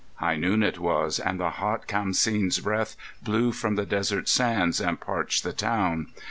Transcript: High noon it was, and the hot Khamseen's breath Blew from the desert sands and parched the town.